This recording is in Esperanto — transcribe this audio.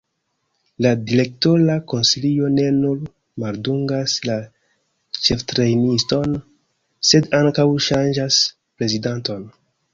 La direktora konsilio ne nur maldungas la ĉeftrejniston, sed ankaŭ ŝanĝas prezidanton.